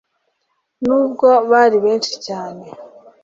nubwo bari benshi cyane